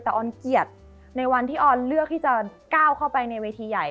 แต่ออนเกียรติในวันที่ออนเลือกที่จะก้าวเข้าไปในเวทีใหญ่